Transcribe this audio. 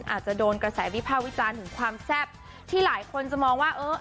อาจจะโดนกระแสวิภาควิจารณ์ถึงความแซ่บที่หลายคนจะมองว่าเออ